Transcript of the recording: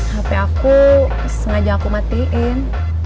hp aku sengaja aku matiin